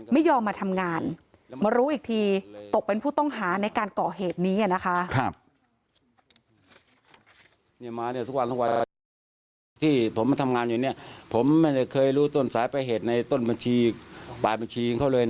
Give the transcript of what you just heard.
ไม่ยอมมาทำงานมารู้อีกทีตกเป็นผู้ต้องหาในการก่อเหตุนี้นะคะ